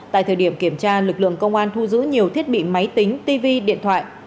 tại thời điểm kiểm tra lực lượng công an thu giữ nhiều thiết bị máy tính tv điện thoại